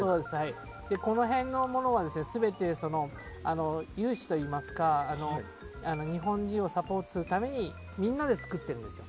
この辺のものは全て有志といいますか日本人をサポートするためにみんなで作っているんですよ。